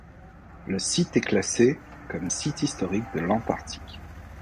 Le site est classé comme site historique de l'Antarctique.